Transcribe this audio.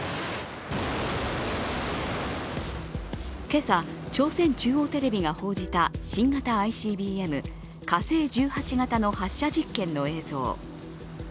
今朝、朝鮮中央テレビが報じた新型ＩＣＢＭ・火星１８型の発射実験の映像。